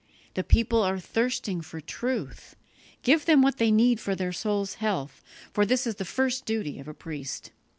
The people are thirsting for truth; give them what they need for their souls' health, for this is the first duty of a priest."